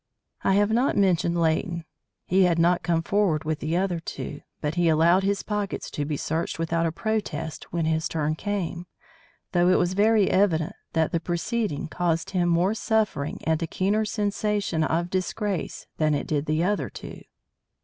I have not mentioned Leighton. He had not come forward with the other two, but he allowed his pockets to be searched without a protest when his turn came, though it was very evident that the proceeding caused him more suffering and a keener sensation of disgrace than it did the other two.